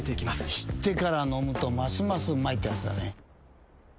知ってから飲むとますますうまいってやつだね。